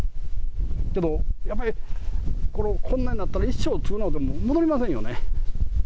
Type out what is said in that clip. やっぱりこんなんなったら一生償っても戻りませんよね。